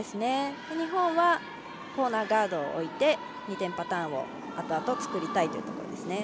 日本はコーナーガードを置いて２点パターンをあとあと作りたいというところです。